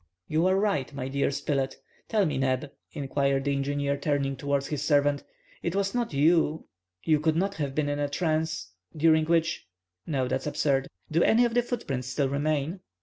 "You are right, my dear Spilett. Tell me, Neb," inquired the engineer, turning towards his servant, "it was not you—you could not have been in a trance—during which—. No, that's absurd. Do any of the footprints still remain?"